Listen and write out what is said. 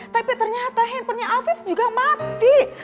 tapi ternyata handphonenya afif juga mati